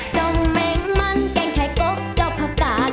จงแม่งมันแกงไข่กลบจบผับกาด